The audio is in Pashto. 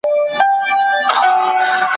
تخت ورته جوړ سي، سړی کښیني لکه سیوری غلی `